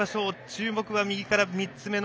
注目は右から３つ目。